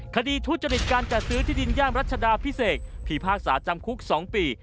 คดีทุจริตการกระซื้อที่ดินย่างรัชดาพิเศษพศจำคุก๒ปี